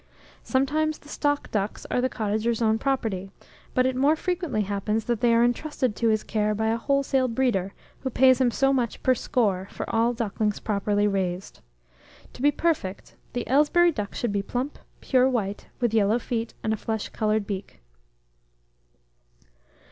Sometimes the "stock" ducks are the cottager's own property, but it more frequently happens that they are intrusted to his care by a wholesale breeder, who pays him so much per score for all ducklings properly raised. To be perfect, the Aylesbury duck should be plump, pure white, with yellow feet, and a flesh coloured beak.